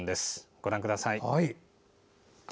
ご覧ください。